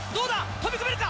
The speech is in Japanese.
飛び込めるか？